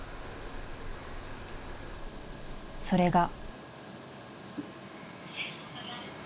［それが］